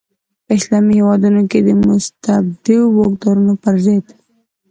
په اسلامي هیوادونو کې د مستبدو واکدارانو پر ضد.